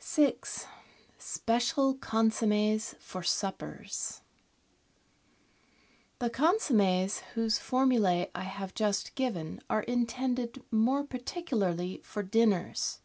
6— SPECIAL CONSOMMES FOR SUPPERS The consommes whose formulae I have just given are in tended more particularly for dinners.